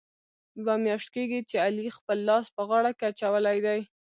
یوه میاشت کېږي، چې علي خپل لاس په غاړه کې اچولی دی.